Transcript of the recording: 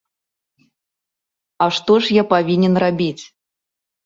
А што ж я павінен рабіць?